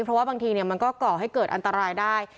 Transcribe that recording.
เพราะว่าบางทีมันก็ก่อให้เกิดอันตรายได้